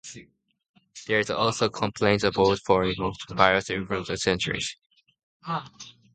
There is also a Complaints Board with experts from various European countries.